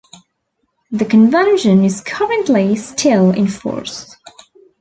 The Convention is currently still in force.